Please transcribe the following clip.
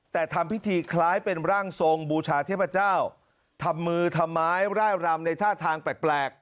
แต่ทำพิธีคล้ายเป็นร่างทรงบูชาเทพเจ้าทำมือทำไมร่ายรำในท่าทางแปลก